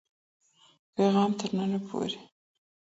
د ده پیغام تر نن پوري